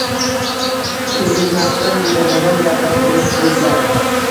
Kirgizmasdan derazadan gaplashtiribsizlar